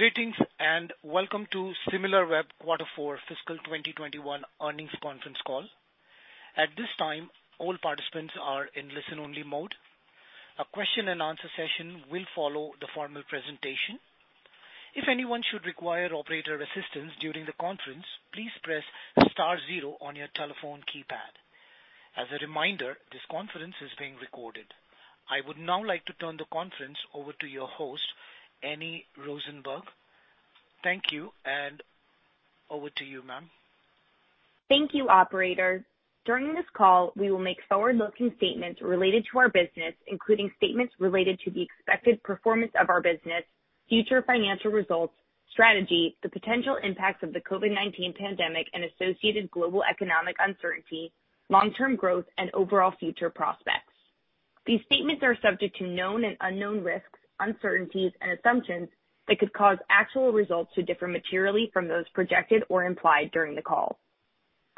Greetings, and welcome to Similarweb Q4 Fiscal 2021 Earnings Conference Call. At this time, all participants are in listen-only mode. A question and answer session will follow the formal presentation. If anyone should require operator assistance during the conference, please press star zero on your telephone keypad. As a reminder, this conference is being recorded. I would now like to turn the conference over to your host, Annie Rosenberg. Thank you, and over to you, ma'am. Thank you, operator. During this call, we will make forward-looking statements related to our business, including statements related to the expected performance of our business, future financial results, strategy, the potential impacts of the COVID-19 pandemic and associated global economic uncertainty, long-term growth and overall future prospects. These statements are subject to known and unknown risks, uncertainties, and assumptions that could cause actual results to differ materially from those projected or implied during the call.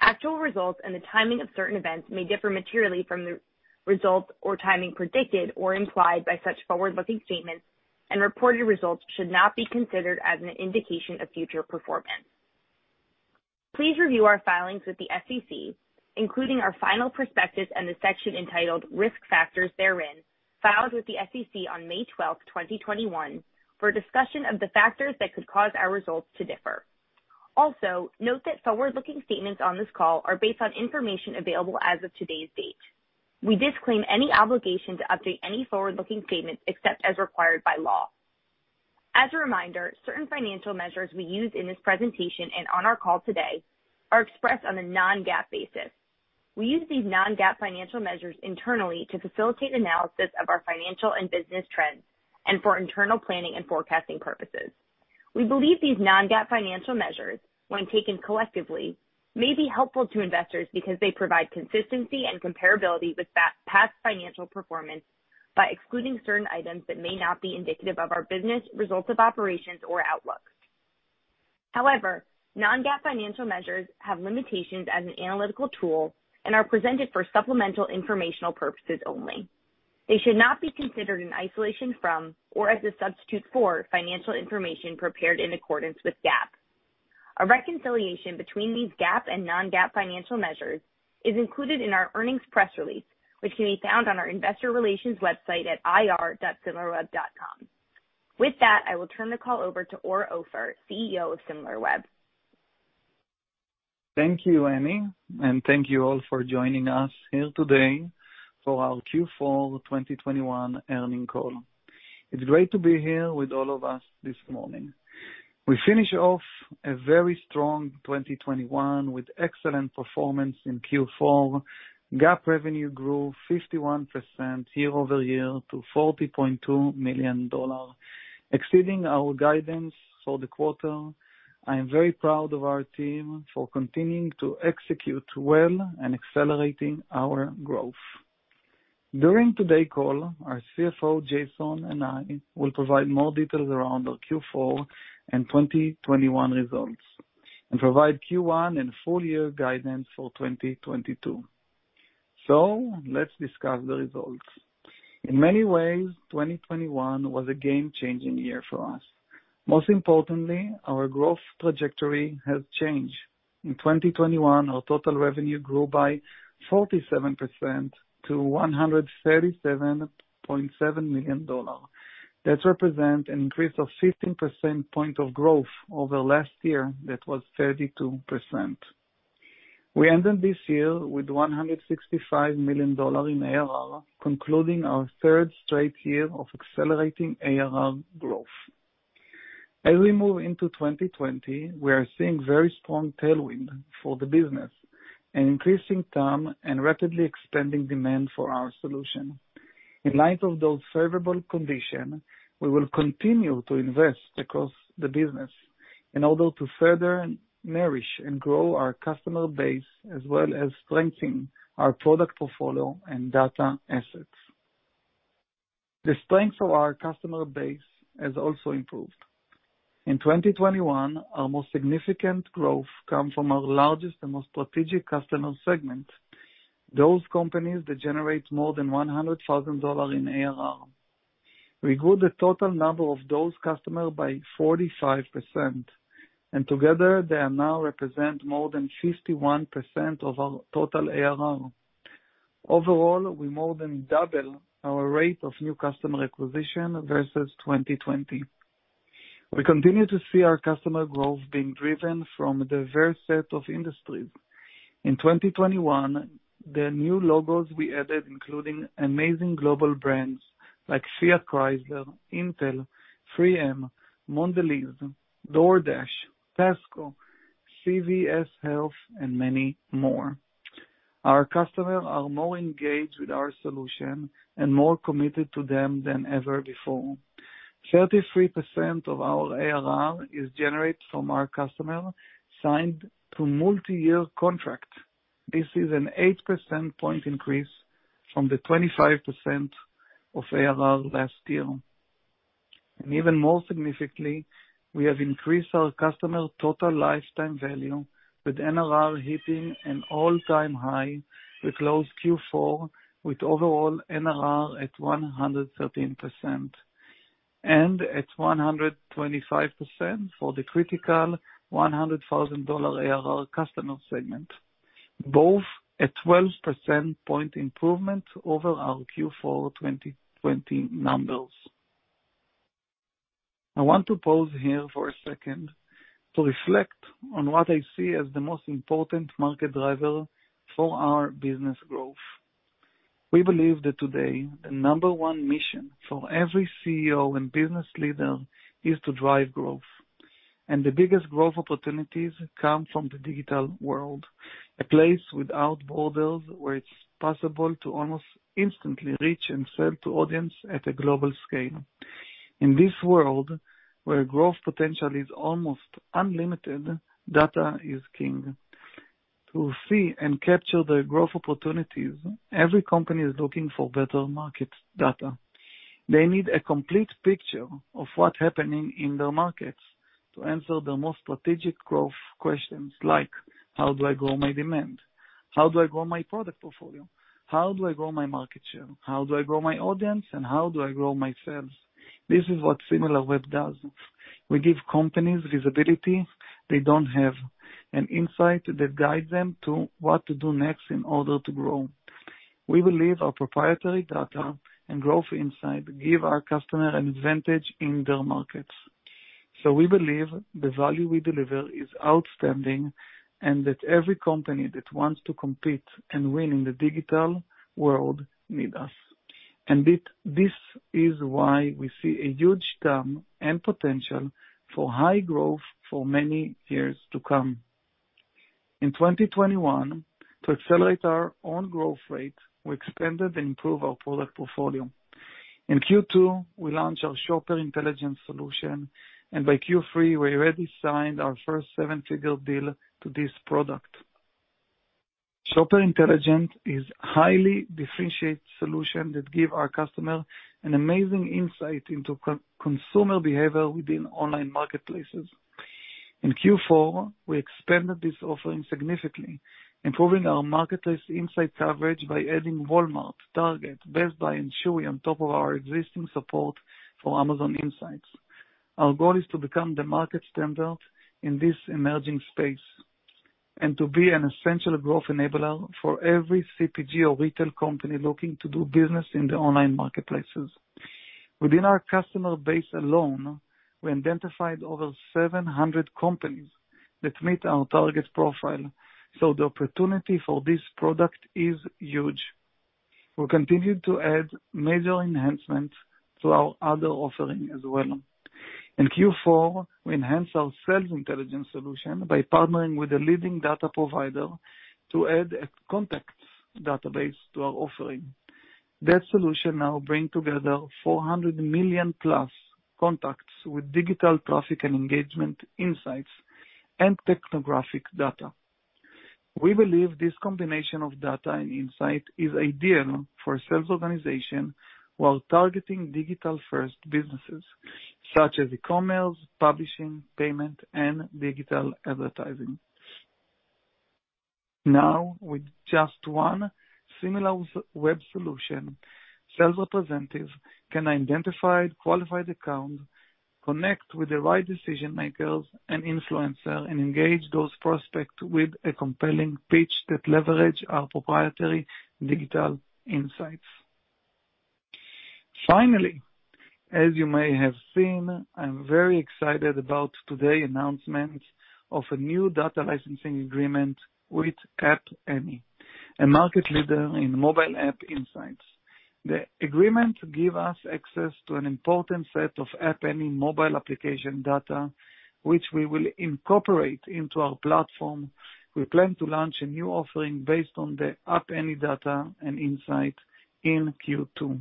Actual results and the timing of certain events may differ materially from the results or timing predicted or implied by such forward-looking statements, and reported results should not be considered as an indication of future performance. Please review our filings with the SEC, including our final prospectus and the section entitled Risk Factors therein, filed with the SEC on May 12, 2021, for a discussion of the factors that could cause our results to differ. Also, note that forward-looking statements on this call are based on information available as of today's date. We disclaim any obligation to update any forward-looking statements except as required by law. As a reminder, certain financial measures we use in this presentation and on our call today are expressed on a non-GAAP basis. We use these non-GAAP financial measures internally to facilitate analysis of our financial and business trends and for internal planning and forecasting purposes. We believe these non-GAAP financial measures, when taken collectively, may be helpful to investors because they provide consistency and comparability with past financial performance by excluding certain items that may not be indicative of our business results of operations or outlooks. However, non-GAAP financial measures have limitations as an analytical tool and are presented for supplemental informational purposes only. They should not be considered in isolation from or as a substitute for financial information prepared in accordance with GAAP. A reconciliation between these GAAP and non-GAAP financial measures is included in our earnings press release, which can be found on our investor relations website at ir.similarweb.com. With that, I will turn the call over to Or Offer, CEO of Similarweb. Thank you, Annie, and thank you all for joining us here today for our Q4 2021 earnings call. It's great to be here with all of us this morning. We finished off a very strong 2021 with excellent performance in Q4. GAAP revenue grew 51% year-over-year to $40.2 million, exceeding our guidance for the quarter. I am very proud of our team for continuing to execute well and accelerating our growth. During today's call, our CFO, Jason, and I will provide more details around our Q4 and 2021 results and provide Q1 and full-year guidance for 2022. Let's discuss the results. In many ways, 2021 was a game-changing year for us. Most importantly, our growth trajectory has changed. In 2021, our total revenue grew by 47% to $137.7 million. That represent an increase of 15 percentage points of growth over last year, that was 32%. We ended this year with $165 million in ARR, concluding our third straight year of accelerating ARR growth. As we move into 2020, we are seeing very strong tailwind for the business, an increasing term and rapidly expanding demand for our solution. In light of those favorable condition, we will continue to invest across the business in order to further nourish and grow our customer base, as well as strengthen our product portfolio and data assets. The strength of our customer base has also improved. In 2021, our most significant growth come from our largest and most strategic customer segment, those companies that generate more than $100,000 in ARR. We grew the total number of those customers by 45%, and together they now represent more than 51% of our total ARR. Overall, we more than double our rate of new customer acquisition versus 2020. We continue to see our customer growth being driven from a diverse set of industries. In 2021, the new logos we added, including amazing global brands like Fiat Chrysler, Intel, 3M, Mondelez, DoorDash, Tesco, CVS Health, and many more. Our customers are more engaged with our solution and more committed to them than ever before. 33% of our ARR is generated from our customers signed to multi-year contracts. This is an 8 percentage point increase from the 25% of ARR last year. Even more significantly, we have increased our customers total lifetime value, with NRR hitting an all-time high. We closed Q4 with overall NRR at 113%. It's 125% for the critical $100,000 ARR customer segment, both a 12 percentage point improvement over our Q4 2020 numbers. I want to pause here for a second to reflect on what I see as the most important market driver for our business growth. We believe that today the number one mission for every CEO and business leader is to drive growth. The biggest growth opportunities come from the digital world, a place without borders, where it's possible to almost instantly reach and sell to audience at a global scale. In this world, where growth potential is almost unlimited, data is king. To see and capture the growth opportunities, every company is looking for better market data. They need a complete picture of what's happening in their markets to answer the most strategic growth questions like, how do I grow my demand? How do I grow my product portfolio? How do I grow my market share? How do I grow my audience, and how do I grow my sales? This is what Similarweb does. We give companies visibility they don't have, an insight that guides them to what to do next in order to grow. We believe our proprietary data and growth insight give our customer an advantage in their markets. We believe the value we deliver is outstanding, and that every company that wants to compete and win in the digital world need us. This is why we see a huge TAM and potential for high growth for many years to come. In 2021, to accelerate our own growth rate, we expanded and improved our product portfolio. In Q2, we launched our Shopper Intelligence solution, and by Q3 we already signed our first seven-figure deal to this product. Shopper Intelligence is highly differentiated solution that give our customer an amazing insight into consumer behavior within online marketplaces. In Q4, we expanded this offering significantly, improving our marketplace insight coverage by adding Walmart, Target, Best Buy, and Chewy on top of our existing support for Amazon Insights. Our goal is to become the market standard in this emerging space and to be an essential growth enabler for every CPG or retail company looking to do business in the online marketplaces. Within our customer base alone, we identified over 700 companies that meet our target profile. The opportunity for this product is huge. We'll continue to add major enhancements to our other offering as well. In Q4, we enhanced our Sales Intelligence solution by partnering with a leading data provider to add a contact database to our offering. That solution now bring together 400 million-plus contacts with digital traffic and engagement insights and technographic data. We believe this combination of data and insight is ideal for sales organization while targeting digital-first businesses such as e-commerce, publishing, payment, and digital advertising. Now, with just one Similarweb solution, sales representatives can identify qualified accounts, connect with the right decision-makers and influencers, and engage those prospects with a compelling pitch that leverage our proprietary digital insights. Finally, as you may have seen, I'm very excited about today's announcement of a new data licensing agreement with App Annie, a market leader in mobile app insights. The agreement gives us access to an important set of App Annie mobile application data, which we will incorporate into our platform. We plan to launch a new offering based on the App Annie data and insights in Q2.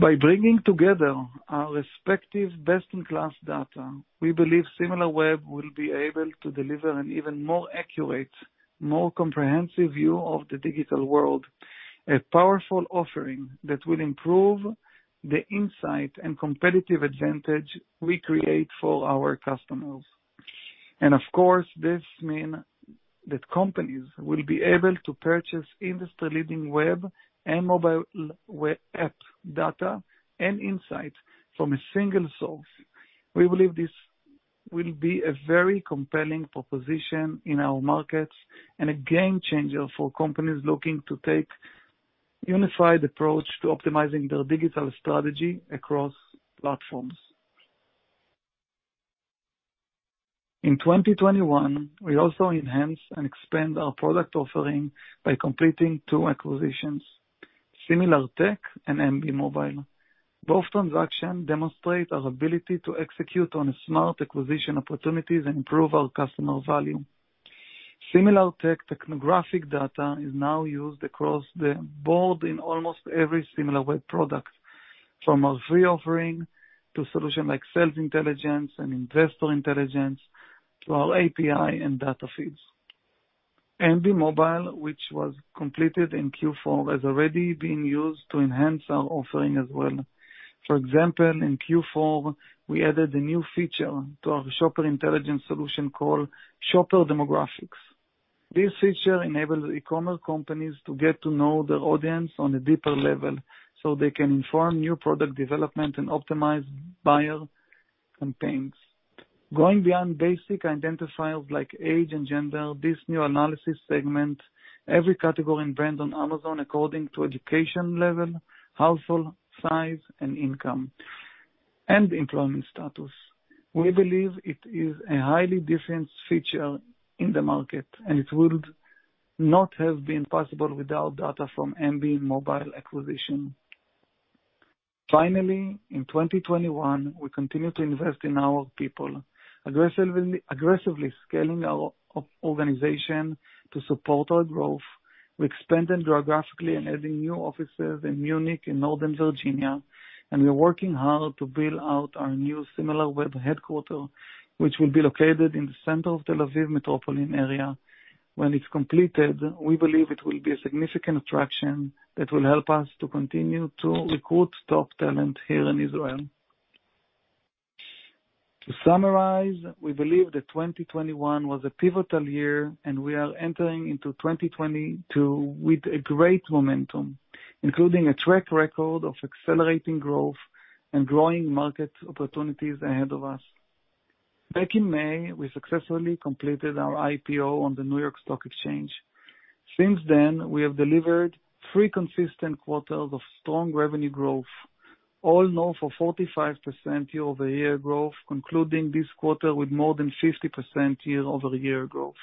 By bringing together our respective best-in-class data, we believe Similarweb will be able to deliver an even more accurate, more comprehensive view of the digital world, a powerful offering that will improve the insights and competitive advantage we create for our customers. Of course, this means that companies will be able to purchase industry-leading web and mobile web app data and insights from a single source. We believe this will be a very compelling proposition in our markets and a game changer for companies looking to take a unified approach to optimizing their digital strategy across platforms. In 2021, we also enhance and expand our product offering by completing two acquisitions, SimilarTech and Embee Mobile. Both transactions demonstrate our ability to execute on smart acquisition opportunities and improve our customer value. SimilarTech technographic data is now used across the board in almost every Similarweb product, from our free offering to solution like Sales Intelligence and Investor Intelligence to our API and data feeds. Embee Mobile, which was completed in Q4, has already been used to enhance our offering as well. For example, in Q4, we added a new feature to our Shopper Intelligence solution called Shopper Demographics. This feature enables e-commerce companies to get to know their audience on a deeper level, so they can inform new product development and optimize buyer campaigns. Going beyond basic identifiers like age and gender, this new analysis segments every category and brand on Amazon according to education level, household size, and income, and employment status. We believe it is a highly different feature in the market, and it would not have been possible without data from Embee Mobile acquisition. Finally, in 2021, we continued to invest in our people, aggressively scaling our organization to support our growth. We expanded geographically in adding new offices in Munich and Northern Virginia, and we're working hard to build out our new Similarweb headquarters, which will be located in the center of Tel Aviv metropolitan area. When it's completed, we believe it will be a significant attraction that will help us to continue to recruit top talent here in Israel. To summarize, we believe that 2021 was a pivotal year, and we are entering into 2022 with great momentum, including a track record of accelerating growth and growing market opportunities ahead of us. Back in May, we successfully completed our IPO on the New York Stock Exchange. Since then, we have delivered three consistent quarters of strong revenue growth, all north of 45% year-over-year growth, concluding this quarter with more than 50% year-over-year growth.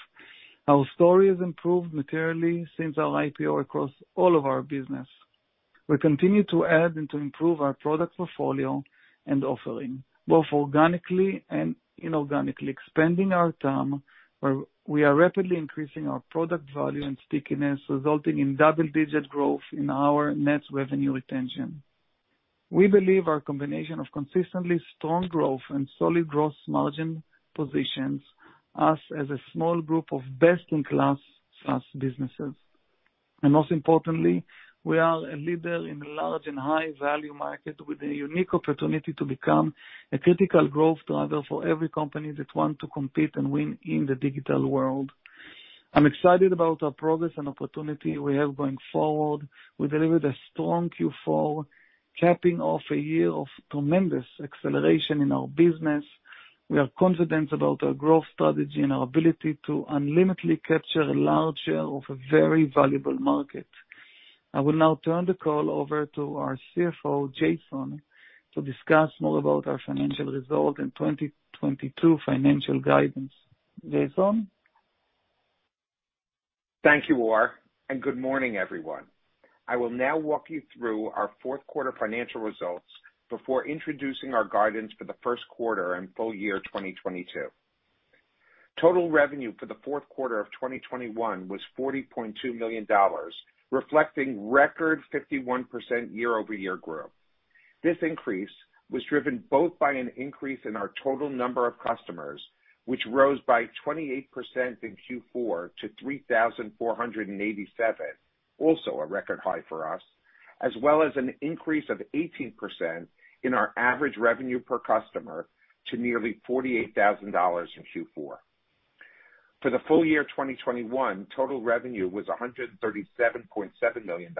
Our story has improved materially since our IPO across all of our business. We continue to add and to improve our product portfolio and offering, both organically and inorganically, expanding our team where we are rapidly increasing our product value and stickiness, resulting in double-digit growth in our net revenue retention. We believe our combination of consistently strong growth and solid gross margin positions us as a small group of best-in-class SaaS businesses. Most importantly, we are a leader in a large and high value market with a unique opportunity to become a critical growth driver for every company that want to compete and win in the digital world. I'm excited about our progress and opportunity we have going forward. We delivered a strong Q4, capping off a year of tremendous acceleration in our business. We are confident about our growth strategy and our ability to ultimately capture a large share of a very valuable market. I will now turn the call over to our CFO, Jason, to discuss more about our financial results and 2022 financial guidance. Jason? Thank you, Or. Good morning, everyone. I will now walk you through our Q4 financial results before introducing our guidance for the Q1 and full year 2022. Total revenue for the Q4 of 2021 was $40.2 million, reflecting record 51% year-over-year growth. This increase was driven both by an increase in our total number of customers, which rose by 28% in Q4 to 3,487, also a record high for us, as well as an increase of 18% in our average revenue per customer to nearly $48,000 in Q4. For the full year 2021, total revenue was $137.7 million,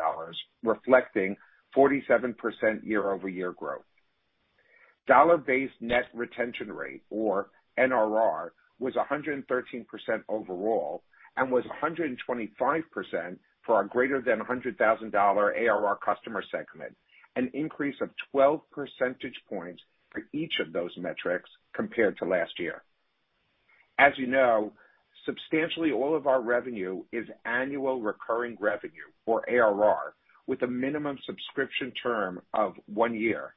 reflecting 47% year-over-year growth. Dollar-based net retention rate, or NRR, was 113% overall and was 125% for our greater than $100,000 ARR customer segment, an increase of 12 percentage points for each of those metrics compared to last year. As you know, substantially all of our revenue is annual recurring revenue, or ARR, with a minimum subscription term of one year.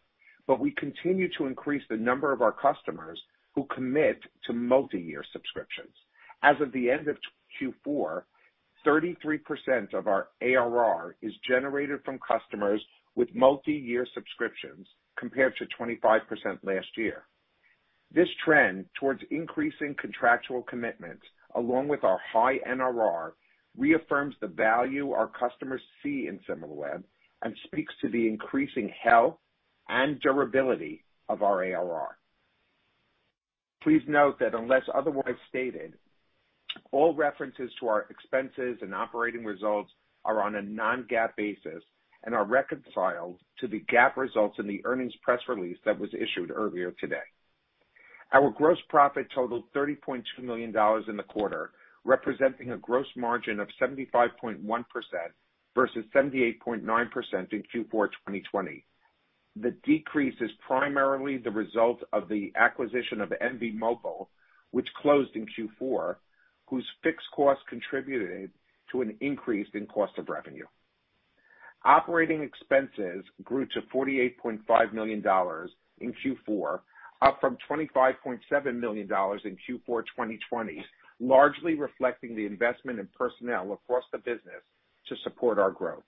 We continue to increase the number of our customers who commit to multi-year subscriptions. As of the end of Q4, 33% of our ARR is generated from customers with multi-year subscriptions, compared to 25% last year. This trend towards increasing contractual commitments, along with our high NRR, reaffirms the value our customers see in Similarweb and speaks to the increasing health and durability of our ARR. Please note that unless otherwise stated, all references to our expenses and operating results are on a non-GAAP basis and are reconciled to the GAAP results in the earnings press release that was issued earlier today. Our gross profit totaled $30.2 million in the quarter, representing a gross margin of 75.1% versus 78.9% in Q4 2020. The decrease is primarily the result of the acquisition of Embee Mobile, which closed in Q4, whose fixed costs contributed to an increase in cost of revenue. Operating expenses grew to $48.5 million in Q4, up from $25.7 million in Q4 2020, largely reflecting the investment in personnel across the business to support our growth.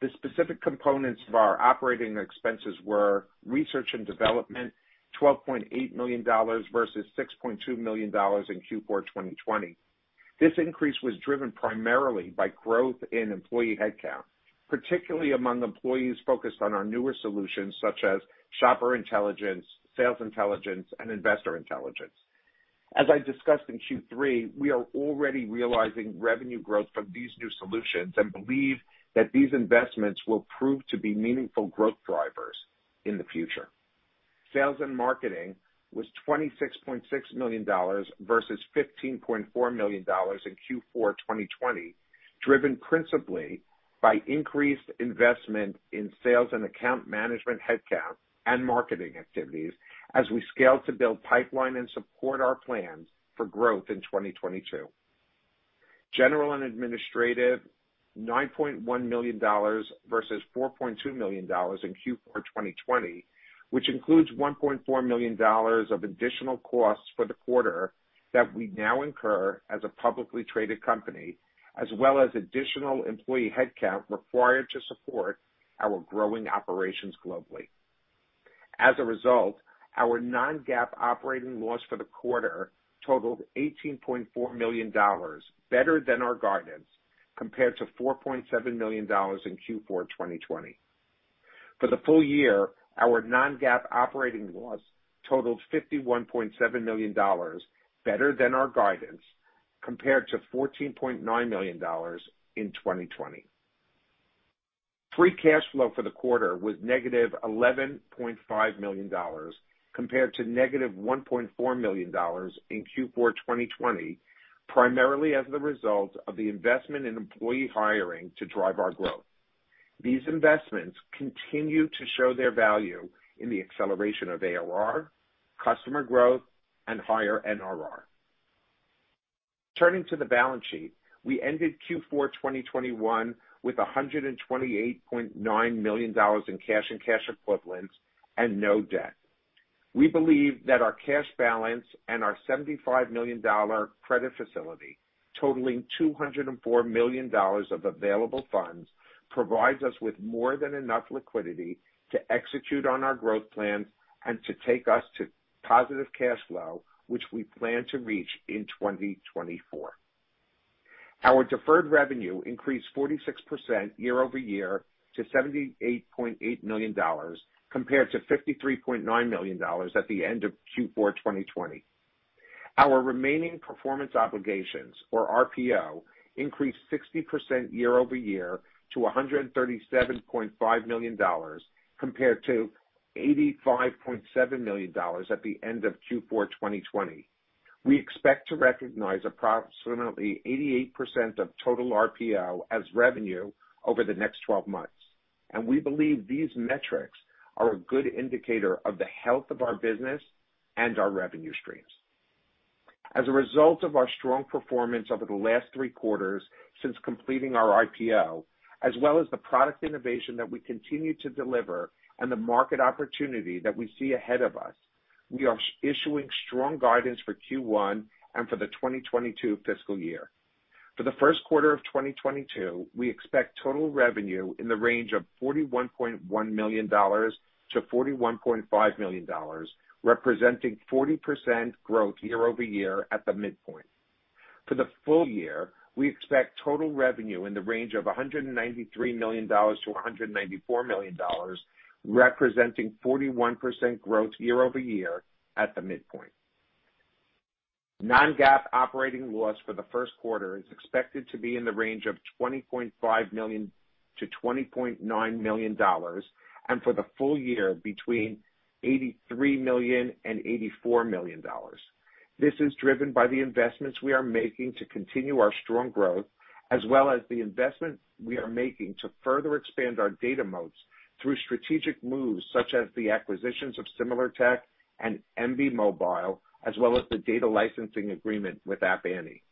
The specific components of our operating expenses were Research and Development, $12.8 million versus $6.2 million in Q4 2020. This increase was driven primarily by growth in employee headcount, particularly among employees focused on our newer solutions such as Shopper Intelligence, Sales Intelligence, and Investor Intelligence. As I discussed in Q3, we are already realizing revenue growth from these new solutions and believe that these investments will prove to be meaningful growth drivers in the future. Sales and Marketing was $26.6 million versus $15.4 million in Q4 2020, driven principally by increased investment in sales and account management headcount and marketing activities as we scale to build pipeline and support our plans for growth in 2022. General and administrative, $9.1 million versus $4.2 million in Q4 2020, which includes $1.4 million of additional costs for the quarter that we now incur as a publicly traded company, as well as additional employee headcount required to support our growing operations globally. As a result, our non-GAAP operating loss for the quarter totaled $18.4 million, better than our guidance, compared to $4.7 million in Q4 2020. For the full year, our non-GAAP operating loss totaled $51.7 million, better than our guidance, compared to $14.9 million in 2020. Free cash flow for the quarter was -$11.5 million, compared to -$1.4 million in Q4 2020, primarily as the result of the investment in employee hiring to drive our growth. These investments continue to show their value in the acceleration of ARR, customer growth, and higher NRR. Turning to the balance sheet, we ended Q4 2021 with $128.9 million in cash and cash equivalents and no debt. We believe that our cash balance and our $75 million credit facility, totaling $204 million of available funds, provides us with more than enough liquidity to execute on our growth plans and to take us to positive cash flow, which we plan to reach in 2024. Our deferred revenue increased 46% year-over-year to $78.8 million, compared to $53.9 million at the end of Q4 2020. Our remaining performance obligations, or RPO, increased 60% year-over-year to $137.5 million, compared to $85.7 million at the end of Q4 2020. We expect to recognize approximately 88% of total RPO as revenue over the next 12 months, and we believe these metrics are a good indicator of the health of our business and our revenue streams. As a result of our strong performance over the last three quarters since completing our IPO, as well as the product innovation that we continue to deliver and the market opportunity that we see ahead of us, we are issuing strong guidance for Q1 and for the 2022 fiscal year. For the Q1 of 2022, we expect total revenue in the range of $41.1 million-$41.5 million, representing 40% growth year-over-year at the midpoint. For the full year, we expect total revenue in the range of $193 million-$194 million, representing 41% growth year-over-year at the midpoint. Non-GAAP operating loss for the Q1 is expected to be in the range of $20.5 million-$20.9 million, and for the full year, between $83 million and $84 million. This is driven by the investments we are making to continue our strong growth, as well as the investments we are making to further expand our data moats through strategic moves such as the acquisitions of SimilarTech and Embee Mobile, as well as the data licensing agreement with App Annie.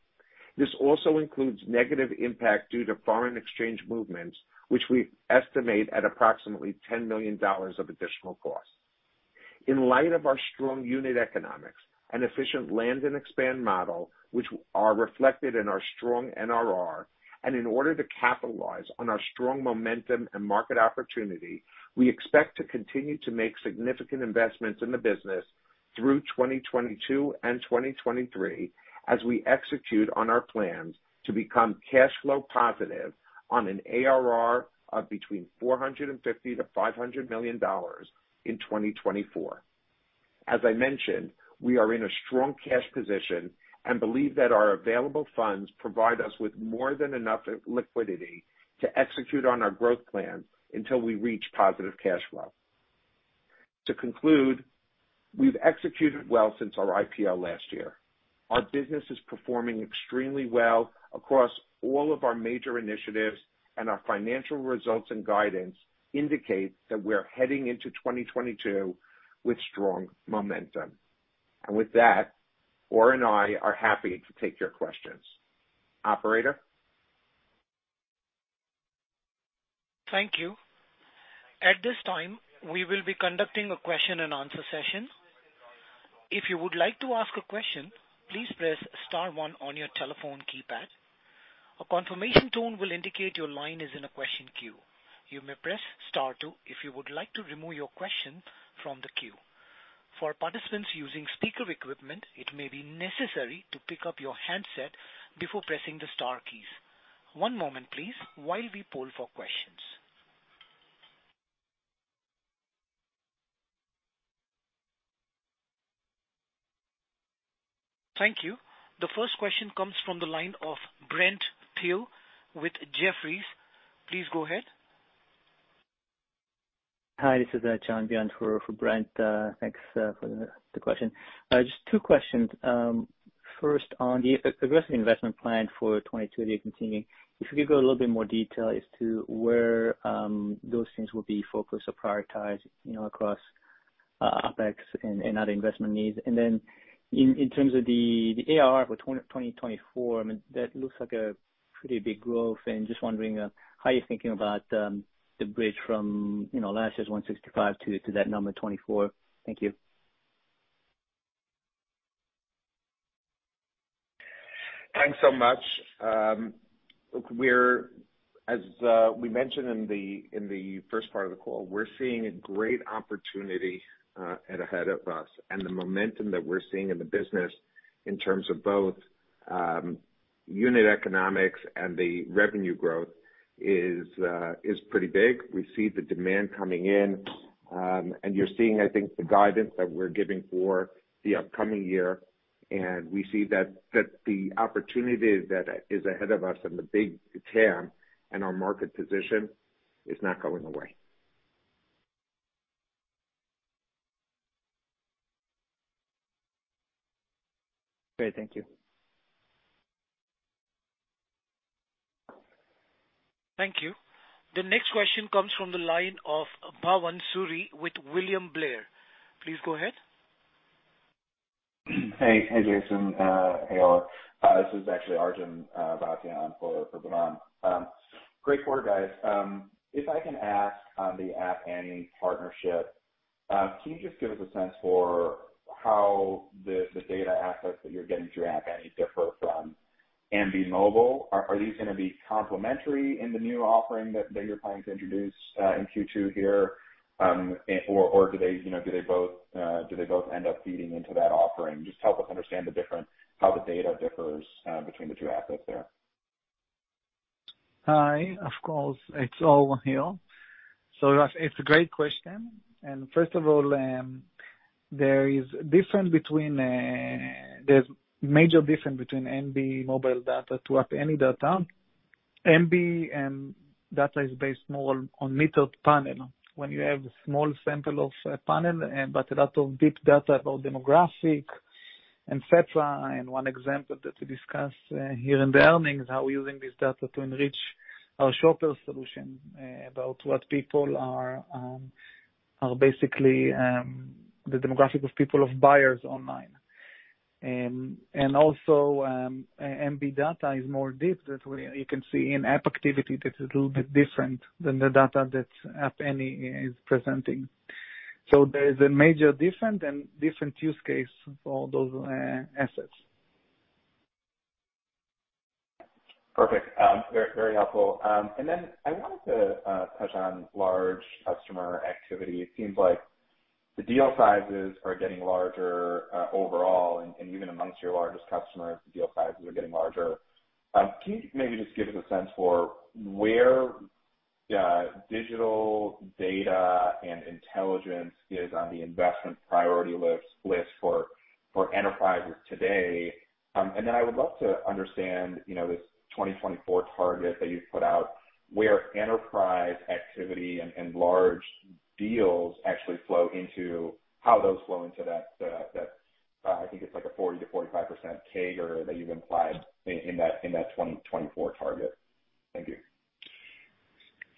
This also includes negative impact due to foreign exchange movements, which we estimate at approximately $10 million of additional cost. In light of our strong unit economics and efficient land and expand model, which are reflected in our strong NRR, and in order to capitalize on our strong momentum and market opportunity, we expect to continue to make significant investments in the business through 2022 and 2023 as we execute on our plans to become cash flow positive on an ARR of between $450 million-$500 million in 2024. As I mentioned, we are in a strong cash position and believe that our available funds provide us with more than enough liquidity to execute on our growth plan until we reach positive cash flow. To conclude, we've executed well since our IPO last year. Our business is performing extremely well across all of our major initiatives, and our financial results and guidance indicate that we're heading into 2022 with strong momentum. With that, Or and I are happy to take your questions. Operator? Thank you. At this time we will be conducting a question and answer session. If you'd like to ask a question, please press star one on your telephone keypad. A confirmation tone will indicate will indicate your line is in question queue. You may press star two if you'd like to remove your question from the queue. For participants using speaker equipment, it maybe necessary to pick up your headset before pressing the star keys. One moment please, while we poll for questions. The first question comes from the line of Brent Thill with Jefferies. Please go ahead. Hi, this is John Byun for Brent. Thanks for the question. Just two questions. First on the aggressive investment plan for 2022 that you're continuing, if you could go a little bit more detail as to where those things will be focused or prioritized, you know, across OpEx and other investment needs. Then in terms of the ARR for 2024, I mean, that looks like a pretty big growth. Just wondering how you're thinking about the bridge from, you know, last year's 165 to that number 2024. Thank you. Thanks so much. As we mentioned in the first part of the call, we're seeing a great opportunity ahead of us. The momentum that we're seeing in the business in terms of both unit economics and the revenue growth is pretty big. We see the demand coming in. You're seeing, I think, the guidance that we're giving for the upcoming year, and we see that the opportunity that is ahead of us and the big TAM and our market position is not going away. Great. Thank you. Thank you. The next question comes from the line of Bhavan Suri with William Blair. Please go ahead. Hey. Hey, Jason. Hey, Or. This is actually Arjun Bhatia for Bhavan Suri. Great quarter, guys. If I can ask on the App Annie partnership, can you just give us a sense for how the data assets that you're getting through App Annie differ from Embee Mobile? Are these going to be complementary in the new offering that you're planning to introduce in Q2 here? Or do they, you know, do they both end up feeding into that offering? Just help us understand the difference, how the data differs between the two assets there. Hi. Of course, it's Or here. It's a great question. First of all, there is a major difference between Embee Mobile data to App Annie data. Embee Mobile data is based more on metered panel. When you have small sample of panel, but a lot of deep data about demographic, et cetera. One example that we discussed here in the earnings, how we're using this data to enrich our shopper solution, about what people are basically the demographic of people of buyers online. Also, Embee Mobile data is more deep you can see in app activity that's a little bit different than the data that App Annie is presenting. There is a major difference and different use case for those assets. Perfect. Very, very helpful. I wanted to touch on large customer activity. It seems like the deal sizes are getting larger overall, and even amongst your largest customers, the deal sizes are getting larger. Can you maybe just give us a sense for where digital data and intelligence is on the investment priority list for enterprises today? I would love to understand, you know, this 2024 target that you've put out, where enterprise activity and large deals actually flow into how those flow into that, I think it's like a 40%-45% CAGR that you've implied in that 2024 target. Thank you.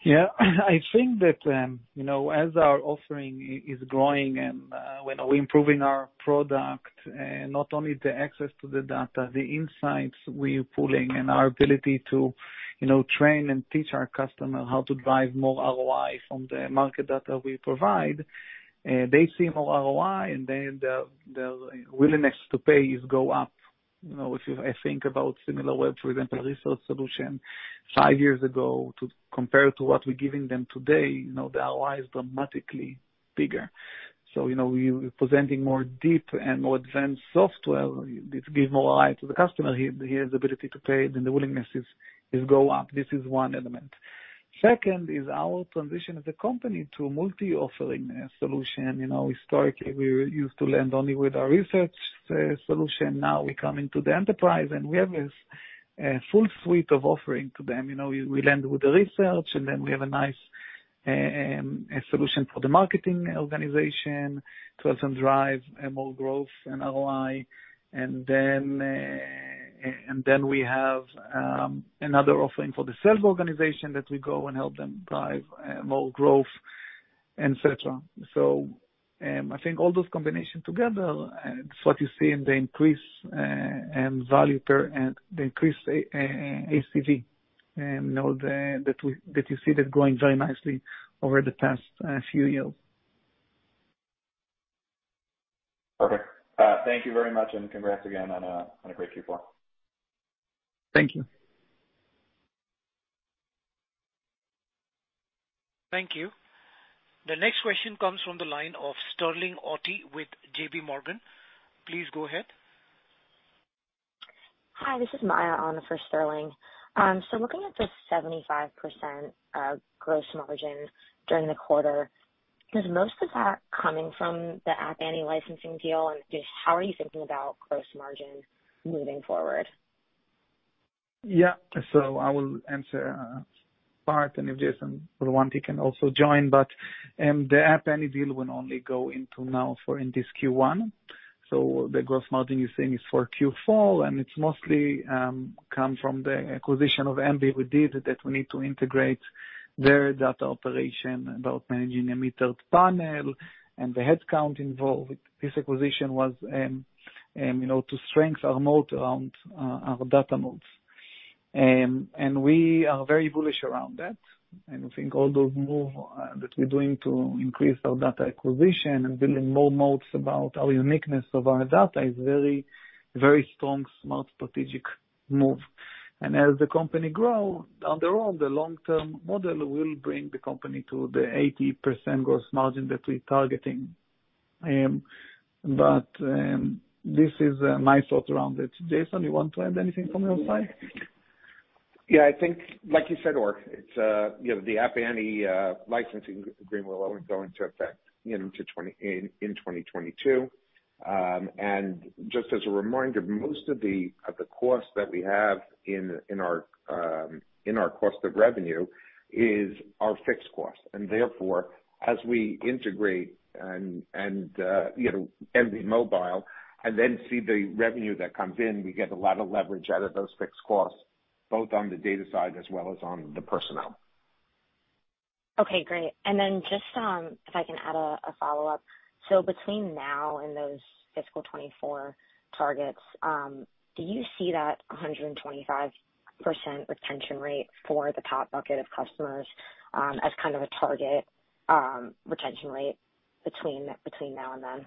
Yeah. I think that, you know, as our offering is growing and, you know, we're improving our product, not only the access to the data, the insights we're pulling and our ability to, you know, train and teach our customer how to drive more ROI from the market data we provide, they see more ROI, and then the willingness to pay is go up. You know, if you think about Similarweb, for example, research solution five years ago to compare to what we're giving them today, you know, the ROI is dramatically bigger. You know, we're presenting more deep and more advanced software. It gives more ROI to the customer. He has ability to pay, then the willingness is go up. This is one element. Second is our transition as a company to multi-offering solution. You know, historically, we used to land only with our research solution. Now we come into the enterprise, and we have this full suite of offering to them. You know, we land with the research, and then we have a nice solution for the marketing organization to help them drive more growth and ROI. We have another offering for the sales organization that we go and help them drive more growth, et cetera. I think all those combination together, it's what you see in the increased ACV. You know, that you see that growing very nicely over the past few years. Okay. Thank you very much, and congrats again on a great Q4. Thank you. Thank you. The next question comes from the line of Sterling Auty with JPMorgan. Please go ahead. Hi, this is Maya on for Sterling. Looking at the 75% gross margin during the quarter, is most of that coming from the App Annie licensing deal, and just how are you thinking about gross margin moving forward? Yeah. I will answer part, and if Jason or Rami can also join. The App Annie deal will only go into now for this Q1. The gross margin you're seeing is for Q4, and it's mostly come from the acquisition of Embee Mobile we did that we need to integrate their data operation about managing a metered panel and the headcount involved. This acquisition was, you know, to strengthen our moat around our data moats. We are very bullish around that. I think all those move that we're doing to increase our data acquisition and building more moats about our uniqueness of our data is very, very strong, smart, strategic move. As the company grow, on their own, the long-term model will bring the company to the 80% gross margin that we're targeting. This is my thoughts around it. Jason, you want to add anything from your side? Yeah. I think, like you said, Or, it's you know, the App Annie licensing agreement will only go into effect in 2022. Just as a reminder, most of the costs that we have in our cost of revenue is our fixed costs. Therefore, as we integrate you know, Embee Mobile and then see the revenue that comes in, we get a lot of leverage out of those fixed costs, both on the data side as well as on the personnel. Okay, great. Just, if I can add a follow-up. Between now and those fiscal 2024 targets, do you see that 125% retention rate for the top bucket of customers, as a target retention rate between now and then?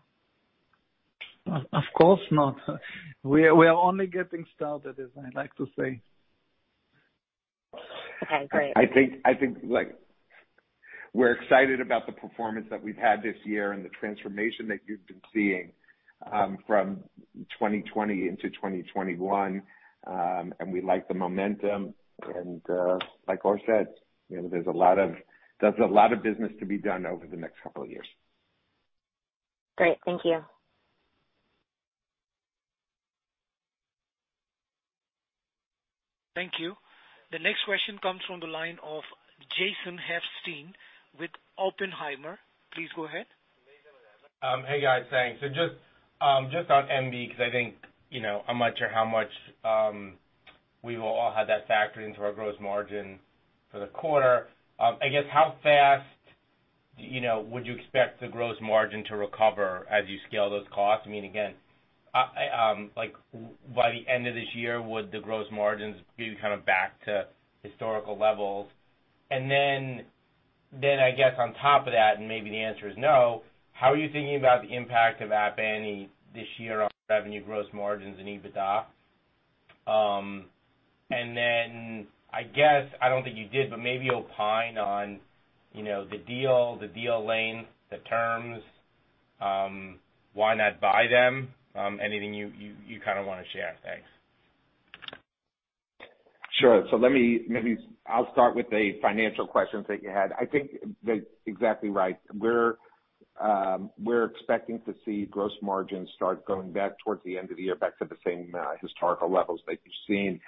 Oh, of course not. We are only getting started, as I like to say. Okay, great. I think, like, we're excited about the performance that we've had this year and the transformation that you've been seeing from 2020 into 2021. We like the momentum. Like Or said, you know, there's a lot of business to be done over the next couple of years. Great. Thank you. Thank you. The next question comes from the line of Jason Helfstein with Oppenheimer. Please go ahead. Hey, guys. Thanks. Just on Embee, because I think, you know, I'm not sure how much we will all have that factored into our gross margin for the quarter. I guess how fast, you know, would you expect the gross margin to recover as you scale those costs? I mean, again, like, by the end of this year, would the gross margins be back to historical levels? I guess on top of that, and maybe the answer is no, how are you thinking about the impact of App Annie this year on revenue, gross margins, and EBITDA? I guess, I don't think you did, but maybe opine on, you know, the deal, the timeline, the terms, why not buy them? Anything you want to share? Thanks. Sure. Let me maybe I'll start with the financial questions that you had. I think that's exactly right. We're expecting to see gross margins start going back towards the end of the year, back to the same historical levels that you've seen.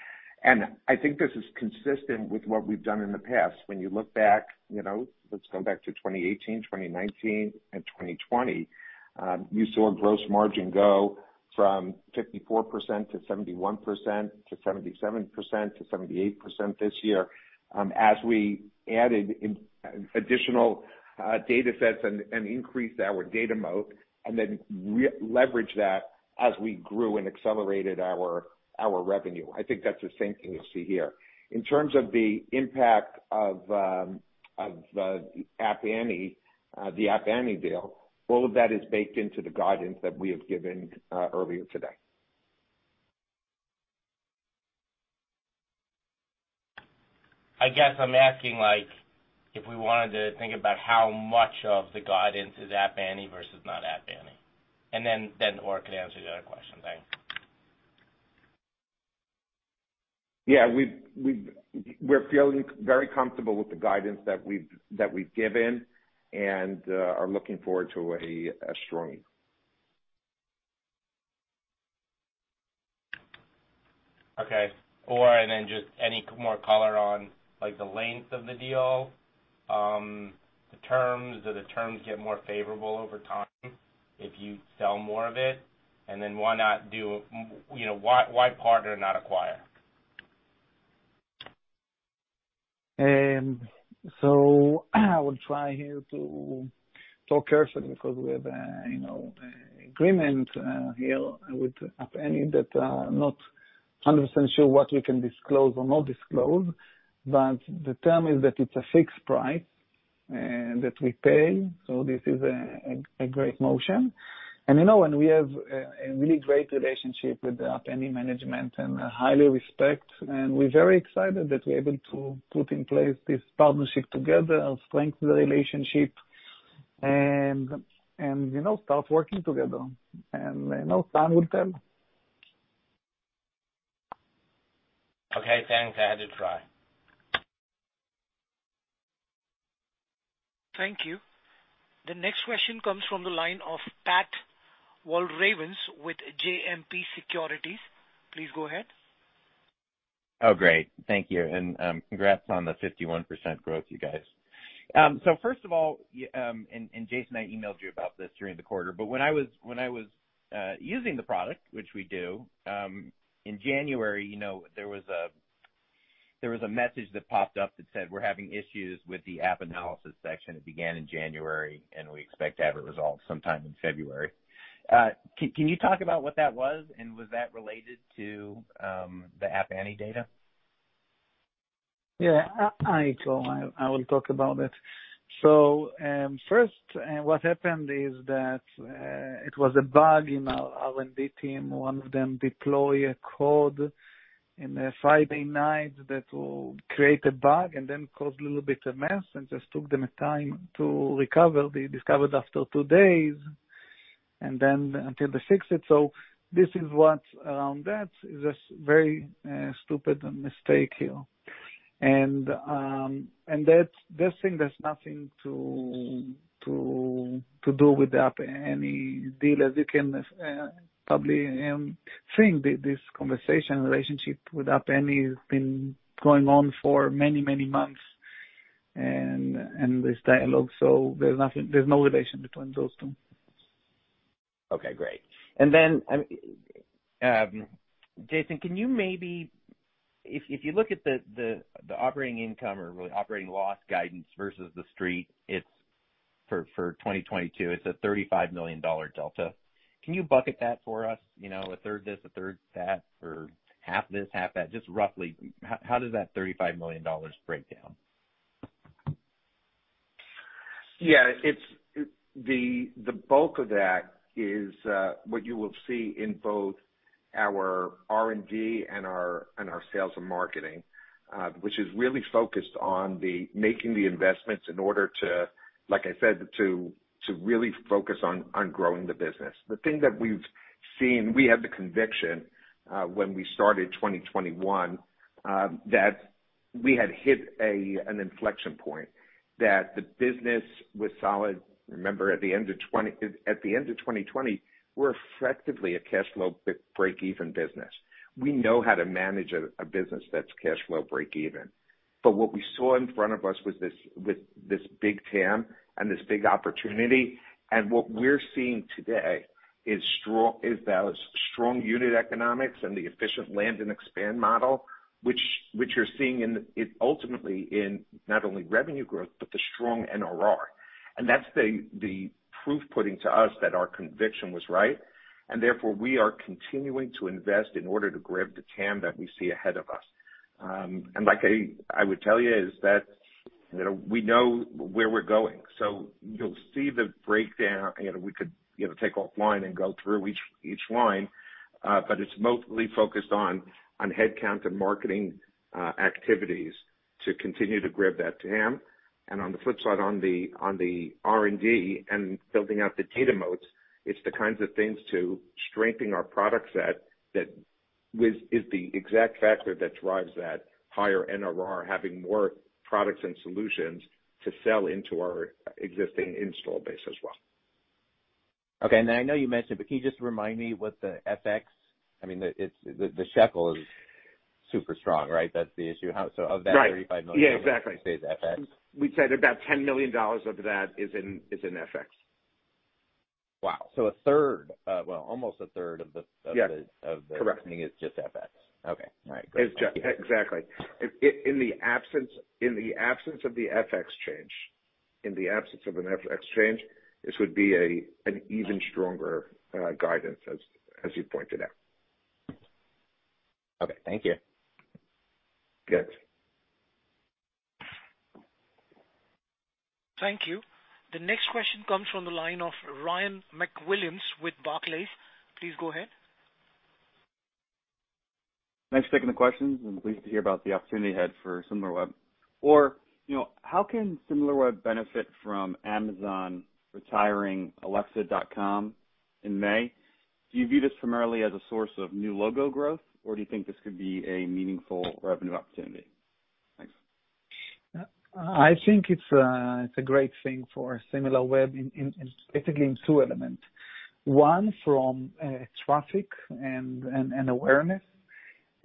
I think this is consistent with what we've done in the past. When you look back, you know, let's go back to 2018, 2019 and 2020, you saw gross margin go from 54% to 71% to 77% to 78% this year, as we added in additional data sets and increased our data moat and then leveraged that as we grew and accelerated our revenue. I think that's the same thing you'll see here. In terms of the impact of App Annie, the App Annie deal, all of that is baked into the guidance that we have given earlier today. I guess I'm asking, like, if we wanted to think about how much of the guidance is App Annie versus not App Annie. Then Or could answer the other question. Thanks. Yeah. We're feeling very comfortable with the guidance that we've given and are looking forward to a strong year. Okay. Or, just any more color on, like, the length of the deal, the terms. Do the terms get more favorable over time if you sell more of it? Why not do, you know, why partner and not acquire? I will try here to talk carefully because we have, you know, an agreement here with App Annie that I'm not hundred percent sure what we can disclose or not disclose, but the term is that it's a fixed price that we pay. This is a great motion. We have a really great relationship with the App Annie management and highly respect, and we're very excited that we're able to put in place this partnership together and strengthen the relationship. You know, start working together and time will tell. Okay, thanks. I had to try. Thank you. The next question comes from the line of Patrick Walravens with JMP Securities. Please go ahead. Oh, great. Thank you. Congrats on the 51% growth, you guys. First of all, Jason, I emailed you about this during the quarter, but when I was using the product, which we do, in January, you know, there was a message that popped up that said, "We're having issues with the app analysis section. It began in January, and we expect to have it resolved sometime in February." Can you talk about what that was? Was that related to the App Annie data? Yeah. I will talk about it. First, what happened is that it was a bug in our R&D team. One of them deploy a code in a Friday night that will create a bug and then cause a little bit of mess and just took them time to recover. They discovered after two days, and then until they fixed it. This is what around that is just very stupid mistake here. That's this thing has nothing to do with the App Annie deal, as you can probably think. This conversation relationship with App Annie has been going on for many many months and this dialogue, so there's no relation between those two. Okay, great. Then Jason, can you maybe. If you look at the operating income or really operating loss guidance versus the street, it's for 2022, it's a $35 million delta. Can you bucket that for us? You know, a third this, a third that, or half this, half that, just roughly how does that $35 million break down? Yeah. It's the bulk of that is what you will see in both our R&D and our sales and marketing, which is really focused on making the investments in order to, like I said, to really focus on growing the business. The thing that we've seen, we had the conviction when we started 2021 that we had hit an inflection point, that the business was solid. Remember at the end of 2020, we're effectively a cash flow breakeven business. We know how to manage a business that's cash flow breakeven. What we saw in front of us was this, with this big TAM and this big opportunity, and what we're seeing today is strong, is those strong unit economics and the efficient land and expand model, which you're seeing in it ultimately in not only revenue growth, but the strong NRR. That's the proof put to us that our conviction was right, and therefore we are continuing to invest in order to grab the TAM that we see ahead of us. Like I would tell you is that, you know, we know where we're going. You'll see the breakdown. You know, we could take offline and go through each line, but it's mostly focused on headcount and marketing activities to continue to grab that TAM. On the flip side, on the R&D and building out the data moats, it's the kinds of things that strengthen our product set that is the exact factor that drives that higher NRR, having more products and solutions to sell into our existing install base as well. Okay. I know you mentioned, but can you just remind me what the FX, I mean, the shekel is super strong, right? That's the issue. Of that $35 million- Right. Yeah, exactly. Stays FX. We said about $10 million of that is in FX. Wow. Well, almost a third of the- Yeah. -of the- Correct. This is just FX. Okay. All right. Great. Exactly. In the absence of an FX change, this would be an even stronger guidance as you pointed out. Okay. Thank you. Yes. Thank you. The next question comes from the line of Ryan MacWilliams with Barclays. Please go ahead. Thanks for taking the questions. I'm pleased to hear about the opportunity ahead for Similarweb. Or, you know, how can Similarweb benefit from Amazon retiring Alexa.com in May? Do you view this primarily as a source of new logo growth, or do you think this could be a meaningful revenue opportunity? Thanks. I think it's a great thing for Similarweb in basically two elements. One, from traffic and awareness.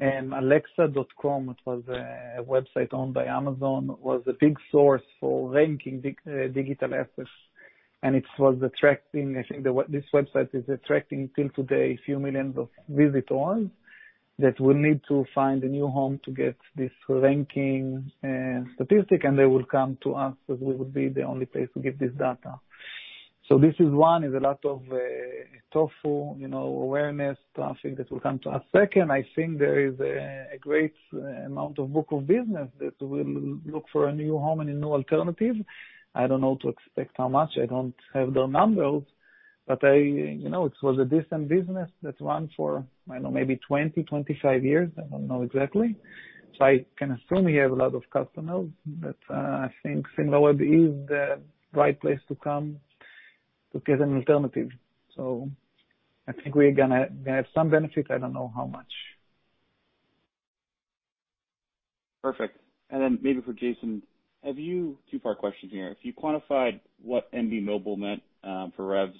Alexa.com, which was a website owned by Amazon, was a big source for ranking digital assets, and it was attracting, I think this website is attracting till today a few million visitors that will need to find a new home to get this ranking statistic, and they will come to us as we would be the only place to get this data. This is one, a lot of tofu, you know, awareness traffic that will come to us. Second, I think there is a great amount of book of business that will look for a new home and a new alternative. I don't know how much to expect. I don't have the numbers. I you know, it was a decent business that ran for, I don't know, maybe 20, 25 years. I don't know exactly. I can assume you have a lot of customers, but I think Similarweb is the right place to come to get an alternative. I think we're going to have some benefit. I don't know how much. Perfect. Then maybe for Jason, two-part question here: If you quantified what Embee Mobile meant for revs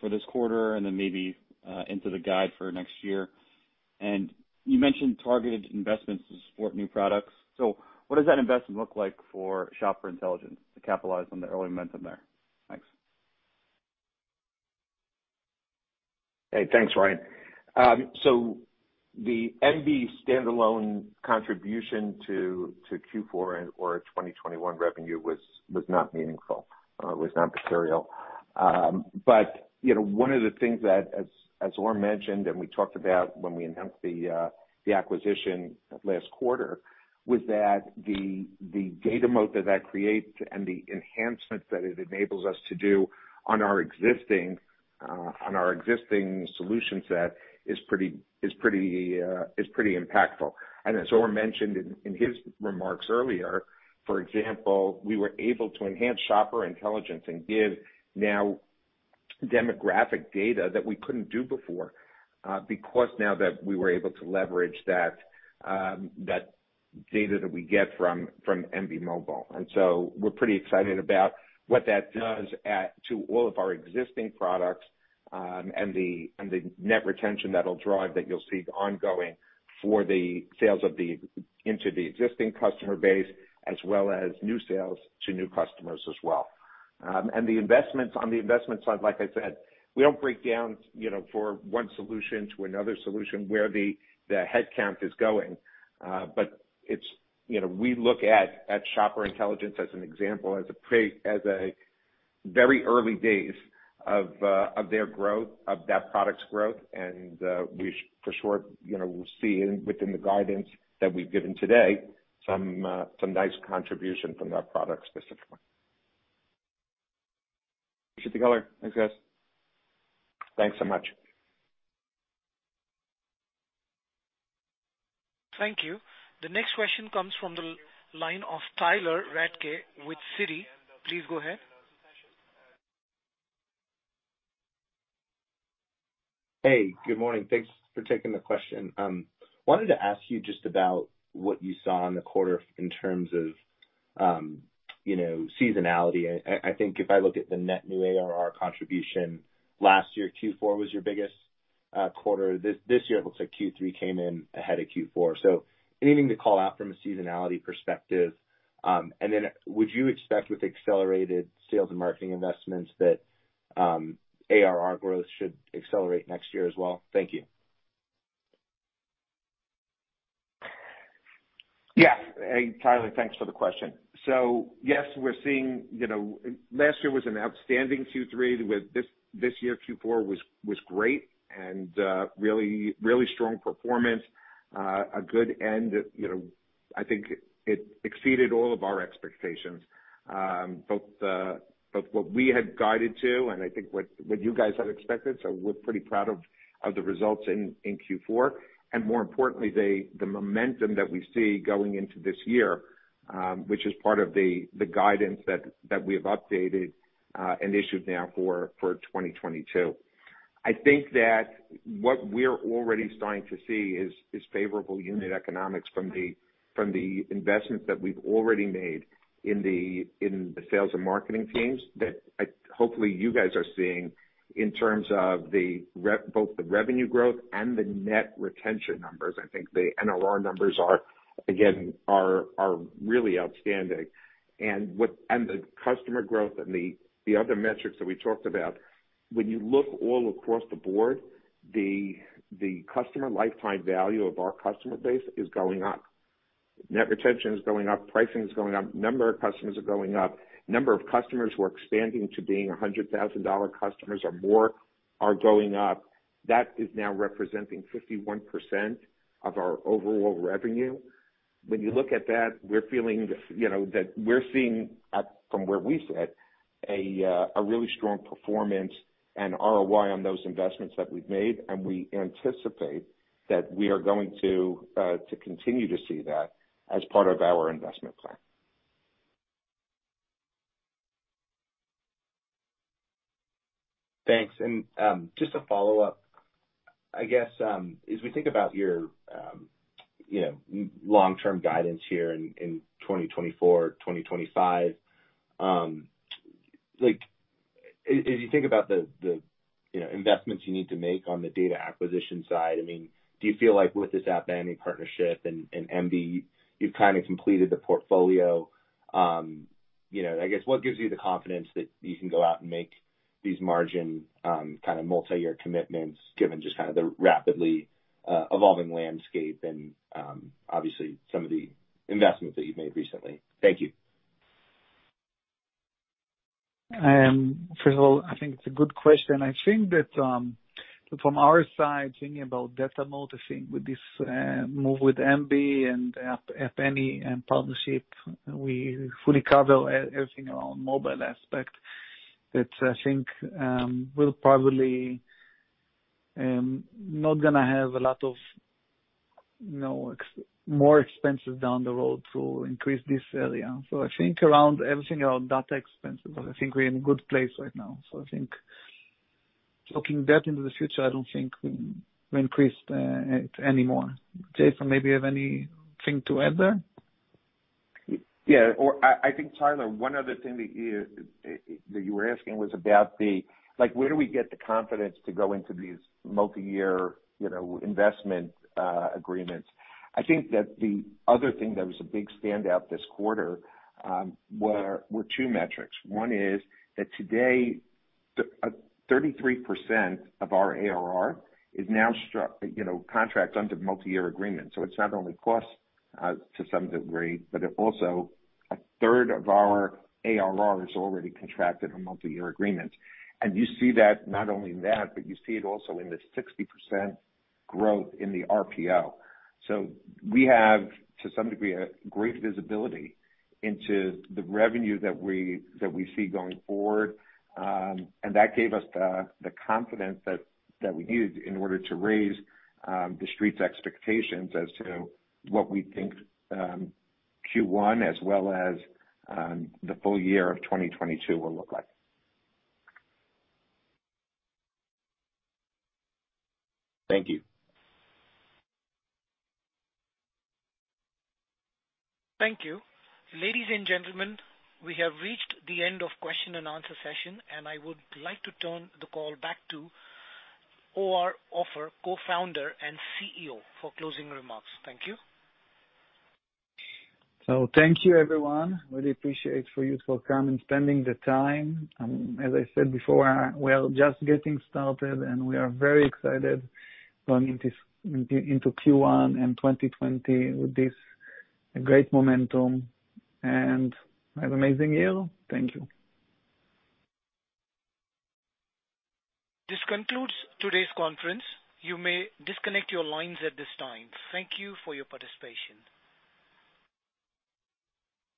for this quarter and then into the guide for next year. You mentioned targeted investments to support new products. What does that investment look like for Shopper Intelligence to capitalize on the early momentum there? Thanks. Hey, thanks, Ryan. So the Embee standalone contribution to Q4 of 2021 revenue was not meaningful. Was not material. You know, one of the things that as Or mentioned and we talked about when we announced the acquisition last quarter was that the data moat that creates and the enhancements that it enables us to do on our existing solution set is pretty impactful. As Or mentioned in his remarks earlier, for example, we were able to enhance Shopper Intelligence and give now demographic data that we couldn't do before because now that we were able to leverage that data that we get from Embee Mobile. We're pretty excited about what that does to all of our existing products, and the net retention that'll drive, that you'll see ongoing for the sales into the existing customer base, as well as new sales to new customers as well. The investments, on the investment side, like I said, we don't break down, you know, for one solution to another solution where the headcount is going. It's you know, we look at Shopper Intelligence as an example, as a very early days of their growth, of that product's growth. We for sure, you know, we'll see within the guidance that we've given today, some nice contribution from that product specifically. Appreciate the color. Thanks, guys. Thanks so much. Thank you. The next question comes from the line of Tyler Radke with Citi. Please go ahead. Hey, good morning. Thanks for taking the question. Wanted to ask you just about what you saw in the quarter in terms of, you know, seasonality. I think if I look at the net new ARR contribution, last year, Q4 was your biggest quarter. This year, it looks like Q3 came in ahead of Q4. Anything to call out from a seasonality perspective? Would you expect with accelerated sales and marketing investments that ARR growth should accelerate next year as well? Thank you. Yeah. Hey, Tyler, thanks for the question. Yes, we're seeing, you know. Last year was an outstanding Q3. With this year, Q4 was great and really strong performance. A good end. You know, I think it exceeded all of our expectations, both what we had guided to and I think what you guys had expected. We're pretty proud of the results in Q4. More importantly, the momentum that we see going into this year, which is part of the guidance that we have updated and issued now for 2022. I think that what we're already starting to see is favorable unit economics from the investments that we've already made in the sales and marketing teams that hopefully you guys are seeing in terms of both the revenue growth and the net retention numbers. I think the NRR numbers are, again, really outstanding. The customer growth and the other metrics that we talked about, when you look all across the board, the customer lifetime value of our customer base is going up. Net retention is going up. Pricing is going up. Number of customers are going up. Number of customers who are expanding to being $100,000 customers or more are going up. That is now representing 51% of our overall revenue. When you look at that, we're feeling, you know, that we're seeing from where we sit, a really strong performance and ROI on those investments that we've made. We anticipate that we are going to continue to see that as part of our investment plan. Thanks. Just a follow-up. I guess, as we think about your, you know, long-term guidance here in 2024, 2025, like, as you think about the, you know, investments you need to make on the data acquisition side, I mean, do you feel like with this App Annie partnership and Embee, you've completed the portfolio? You know, I guess what gives you the confidence that you can go out and make these margin, multi-year commitments given just the rapidly evolving landscape and obviously some of the investments that you've made recently? Thank you. First of all, I think it's a good question. I think that, so from our side, thinking about data modeling with this move with Embee and App Annie and partnership, we fully cover everything around mobile aspect that I think we'll probably not going to have a lot of, you know, more expenses down the road to increase this area. I think around everything around data expenses, I think we're in a good place right now. I think looking that into the future, I don't think we increase it anymore. Jason, maybe you have anything to add there? Yeah. I think, Tyler, one other thing that you were asking was about, like, where do we get the confidence to go into these multi-year, you know, investment agreements? I think that the other thing that was a big standout this quarter were two metrics. One is that today, 33% of our ARR is now, you know, contract under multi-year agreement. It's not only cost to some degree, but it also a third of our ARR is already contracted on multi-year agreement. You see that not only that, but you see it also in the 60% growth in the RPO. We have, to some degree, a great visibility into the revenue that we see going forward. That gave us the confidence that we need in order to raise the Street's expectations as to what we think Q1 as well as the full year of 2022 will look like. Thank you. Thank you. Ladies and gentlemen, we have reached the end of question and answer session, and I would like to turn the call back to Or Offer, Co-Founder and CEO for closing remarks. Thank you. Thank you, everyone. I really appreciate you coming and spending the time. As I said before, we are just getting started, and we are very excited going into Q1 and 2020 with this great momentum. We'll have an amazing year. Thank you. This concludes today's conference. You may disconnect your lines at this time. Thank you for your participation.